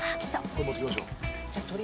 これ持っていきましょう。